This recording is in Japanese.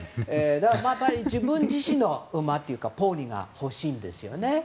だから自分自身の馬というかポニーが欲しいんですよね。